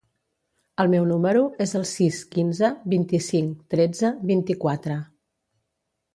El meu número es el sis, quinze, vint-i-cinc, tretze, vint-i-quatre.